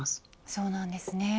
そうなんですね。